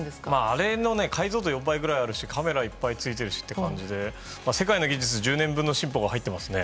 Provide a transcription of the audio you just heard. あれの解像度４倍くらいあるしカメラいっぱいついているしという感じで世界の技術１０年分の進歩が入ってますね。